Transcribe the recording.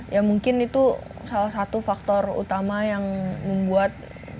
ya mungkin itu salah satu faktor utama yang membuat